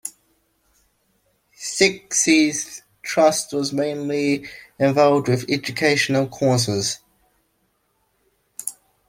Sexey's trust was mainly involved with educational causes.